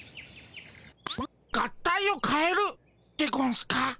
合体をかえるでゴンスか？